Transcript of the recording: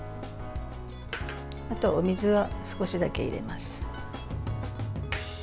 あとお水は少しだけ入れます。